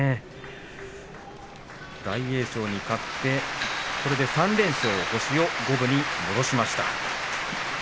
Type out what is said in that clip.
玉鷲に勝ってこれで３連勝星を五分に戻しました。